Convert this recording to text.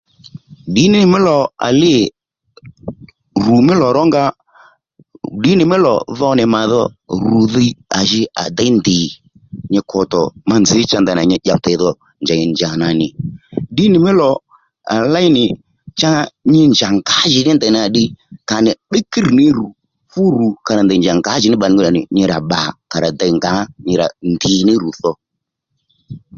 Ddǐnì mí lò à lî rù mí lò rónga ddǐnì mí lò dho nì màdho rù dhiy à ji à déy ndìy nyi kotò má nzǐ nyi dyǒtey dho ndèy njà ndanà nì ddǐnì mí lò à léy nì cha nyi njà ngǎjìnì ndèy nà ddiy à nì tdíykrr ní rù fú rù kà rà ndèy njà ngǎjìní bbalè nyúddà djú nyi rà bbà kà rà dey ngǎ nyi rà ndìy ní rù tho